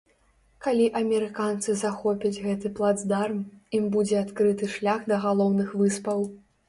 Калі амерыканцы захопяць гэты плацдарм, ім будзе адкрыты шлях да галоўных выспаў.